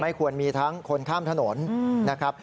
ควรมีทั้งคนข้ามถนนนะครับ